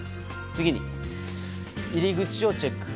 次に、入り口をチェック。